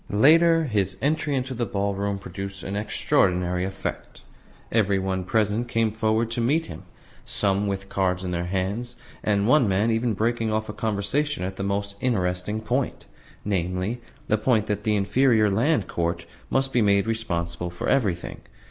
Later, his entry into the ballroom produced an extraordinary effect. Every one present came forward to meet him, some with cards in their hands, and one man even breaking off a conversation at the most interesting point namely, the point that "the Inferior Land Court must be made responsible for everything."